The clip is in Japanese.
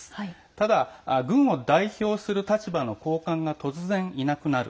ただ、軍を代表する立場の高官が突然いなくなる。